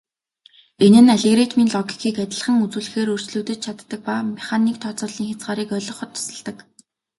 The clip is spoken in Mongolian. Энэ нь алгоритмын логикийг адилхан үзүүлэхээр өөрчлөгдөж чаддаг ба механик тооцооллын хязгаарыг ойлгоход тусалдаг.